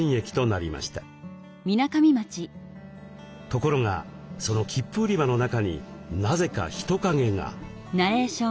ところがその切符売り場の中になぜか人影が。